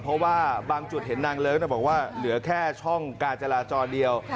เพราะว่าบางจุดเห็นนางเลิ้งบอกว่าเหลือแค่ช่องการจราจรเดียว